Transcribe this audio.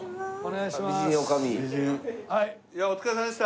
いやお疲れさまでした。